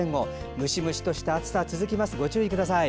ムシムシとした暑さが続きますのでご注意ください。